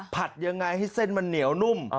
ยังไงให้เส้นมันเหนียวนุ่ม